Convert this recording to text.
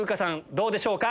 どうでしょうか？